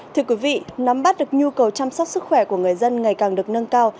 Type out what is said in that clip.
thưa quý vị nắm bắt được nhu cầu chăm sóc sức khỏe của người dân ngày càng được nâng cao